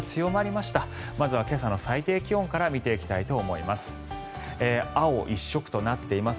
まずは今朝の最低気温から見ていきたいと思います。